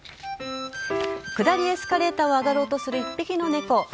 下りエスカレーターを上がろうとする一匹のネコ。